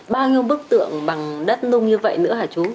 bao nhiêu bức tượng bằng đất nung như vậy nữa hả chú